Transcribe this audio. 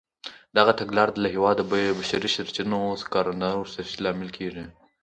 دغه تګلاره له هېواده د بشري سرچینو او کادرونو تېښتې لامل شوه.